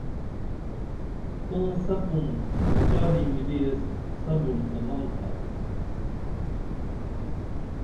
تاں سپُن کھچالی مِلی ایس صبر تمم تھا